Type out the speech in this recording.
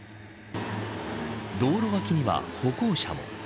道路脇には歩行者も。